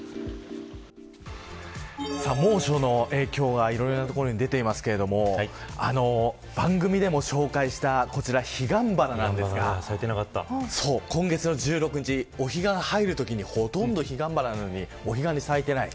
猛暑の影響がいろいろな所に出ていますけれども番組でも紹介したこちら、ヒガンバナなんですが今月の１６日お彼岸に入るときにほとんど咲いていない。